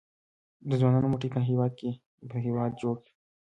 د ځوانانو مټې به هیواد جوړ کړي؟